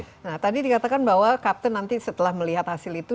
nah tadi dikatakan bahwa kapten nanti setelah melihat hasil itu